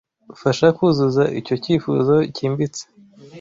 'Fasha kuzuza icyo cyifuzo cyimbitse,